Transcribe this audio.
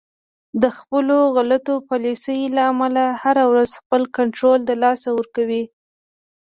د خپلو غلطو پالیسیو له امله هر ورځ خپل کنترول د لاسه ورکوي